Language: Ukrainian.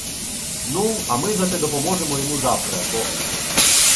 Ну, а ми зате допоможемо йому завтра, бо.